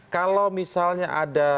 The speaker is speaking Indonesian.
kalau misalnya ada